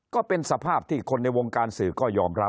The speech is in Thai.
ก็เป็นสภาพที่คนในวงการสื่อก็ยอมรับ